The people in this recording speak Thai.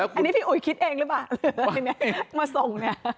อันนี้พี่อุยคิดเองหรือมาส่ง